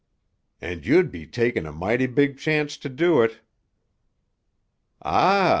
"And you'd be takin' a mighty big chance to do it." "Ah!